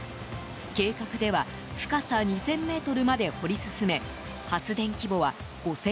計画では深さ２０００ｍまで掘り進め発電規模は５０００